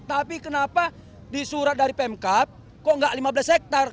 tapi kenapa disurat dari pemkap kok nggak lima belas hektare kok lima hektare